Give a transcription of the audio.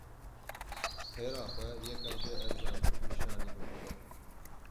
Xêra xwe, yeka jê ezantir nîşanî min bide.